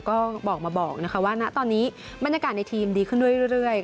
ก็บอกมาบอกนะคะว่าณตอนนี้บรรยากาศในทีมดีขึ้นเรื่อย